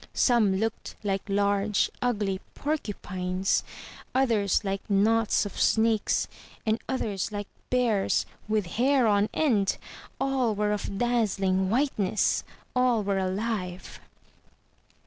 Some looked like large, ugly porcupines; others like knots of snakes, and others like bears, with hair on end! All were of dazzling whiteness — all were alive.